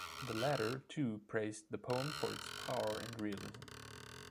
The latter too praised the poem for its power and realism.